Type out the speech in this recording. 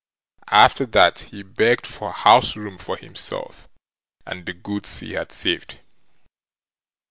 After that he begged for house room for himself and the goods he had saved.